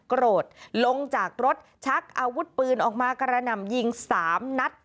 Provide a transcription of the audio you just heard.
โกรธลงจากรถชักอาวุธปืนออกมากระหน่ำยิง๓นัด